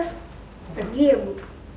pergi ya bu